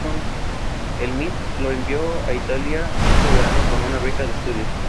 El Met lo envió a Italia ese verano con una beca de estudio.